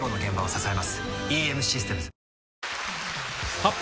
発表！